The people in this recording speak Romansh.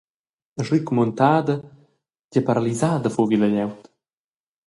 Aschi commuentada, gie paralisada fuvi la glieud.